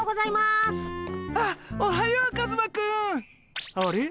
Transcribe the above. あっおはようカズマくん。あれ？